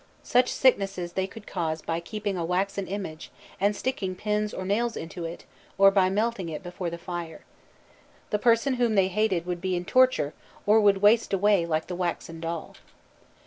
Such sicknesses they could cause by keeping a waxen image, and sticking pins or nails into it, or melting it before the fire. The person whom they hated would be in torture, or would waste away like the waxen doll.